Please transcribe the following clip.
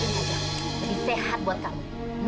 lebih sehat buat kamu